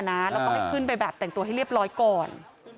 แล้วก็ให้ขึ้นไปแบบแต่งตัวให้เรียบร้อยก่อน